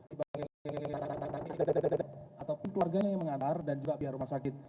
sebagai rekan rekan kami ataupun keluarganya yang mengantar dan juga biar rumah sakit